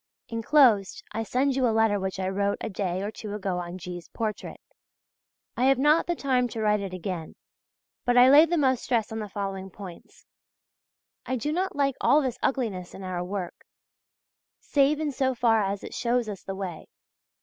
Inclosed I send you a letter which I wrote a day or two ago on G.'s portrait. I have not the time to write it again; but I lay the most stress on the following points: I do not like all this ugliness in our work, save in so far as it shows us the way.